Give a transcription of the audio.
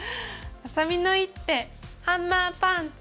あさみの一手ハンマーパンチ！